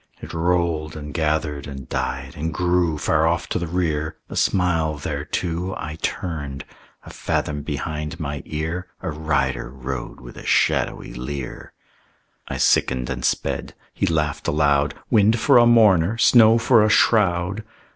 It rolled and gathered and died and grew Far off to the rear; a smile thereto I turned; a fathom behind my ear A rider rode with a shadowy leer. I sickened and sped. He laughed aloud, "Wind for a mourner, snow for a shroud!"